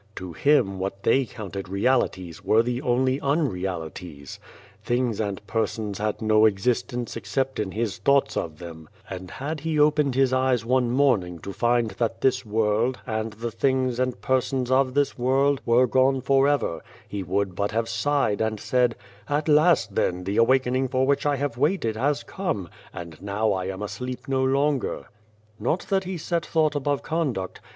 To him what they counted realities, were the only unrealities. Things and persons had no existence except in his thoughts of them, and had he opened his eyes one morning to find that this world, and the things and persons of 77 The Face Beyond the Door this world, were gone for ever, he would but have sighed and said, * At last, then, the awakening for which I have waited has come, and now I am asleep no longer.' " Not that he set thought above conduct.